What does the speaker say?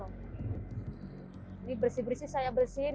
ini bersih bersih saya bersihin